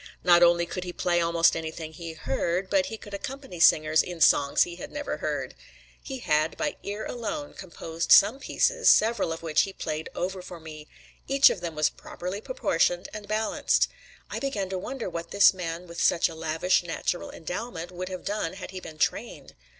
Not only could he play almost anything he heard, but he could accompany singers in songs he had never heard. He had, by ear alone, composed some pieces, several of which he played over for me; each of them was properly proportioned and balanced. I began to wonder what this man with such a lavish natural endowment would have done had he been trained.